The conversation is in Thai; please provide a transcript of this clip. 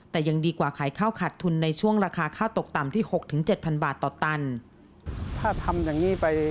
แต่ยังดีกว่าขายข้าวขาดทุนในช่วงราคาข้าวตกต่ำที่๖๗๐๐๐บาทต่อตัน